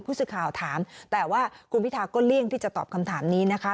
ผู้สื่อข่าวถามแต่ว่าคุณพิทาก็เลี่ยงที่จะตอบคำถามนี้นะคะ